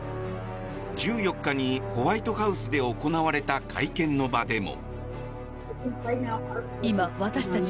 １４日にホワイトハウスで行われた会見の場でも。